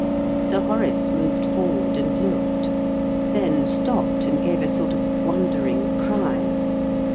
Sir Horace moved forward and looked; then stopped and gave a sort of wondering cry.